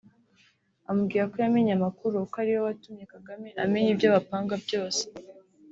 amubwira ko yamenye amakuru ko ariwe watumye Kagame amenya ibyo bapanga byose